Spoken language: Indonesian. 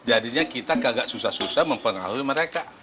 jadinya kita kagak susah susah mempengaruhi mereka